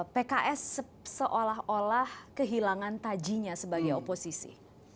pks seolah olah kehilangan tajinya sebagai oposisi